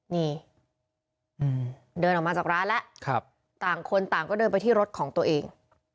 นี่เดินออกมาจากร้านแล้วต่างคนต่างก็เดินไปที่รถของตัวเอง